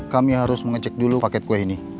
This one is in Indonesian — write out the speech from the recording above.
kami harus mengecek dulu paket kue ini